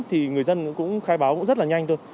thì người dân cũng khai báo cũng rất là nhanh thôi